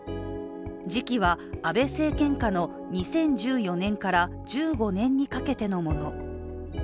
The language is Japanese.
時期は安倍政権下の２０１４年から１５年にかけてのもの。